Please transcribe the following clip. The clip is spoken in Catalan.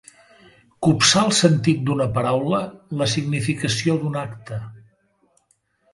Copsar el sentit d'una paraula, la significació d'un acte.